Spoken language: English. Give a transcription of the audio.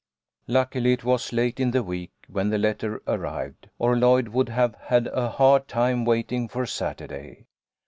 Luckily it was late in the week when the letter arrived, or Lloyd would have had a hard time waiting for Saturday.